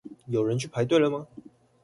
有人去排隊了嗎？